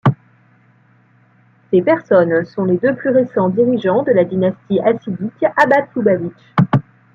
Ces personnes sont les deux plus récents dirigeants de la dynastie hassidique Habad-Loubavitch.